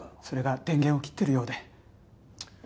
それが電源を切ってるようで。